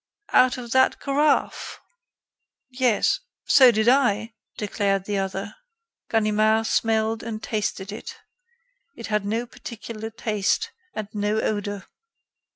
"Out of that carafe?" "Yes." "So did I," declared the other. Ganimard smelled and tasted it. It had no particular taste and no odor.